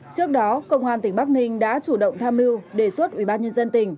trước đó công an tỉnh bắc ninh đã chủ động tham mưu đề xuất ủy ban nhân dân tỉnh